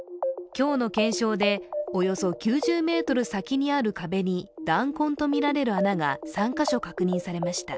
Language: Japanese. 今日の検証で、およそ９０ｍ先にある壁に弾痕とみられる穴が３カ所確認されました。